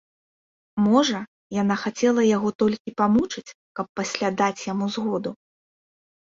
Можа, яна хацела яго толькі памучыць, каб пасля даць яму згоду.